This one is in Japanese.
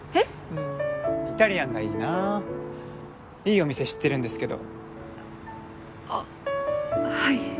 うんイタリアンがいいないいお店知ってるんですけど